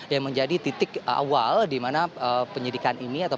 yang menjadi titik awal dimana